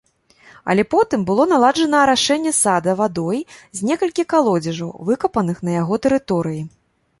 Але потым было наладжана арашэнне сада вадой з некалькіх калодзежаў, выкапаных на яго тэрыторыі.